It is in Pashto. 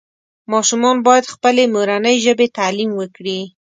ماشومان باید پخپلې مورنۍ ژبې تعلیم وکړي